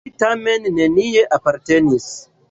Li tamen nenie apartenis.